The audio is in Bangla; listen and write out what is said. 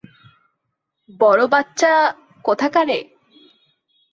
বড় বাচ্চা কোথাকারে?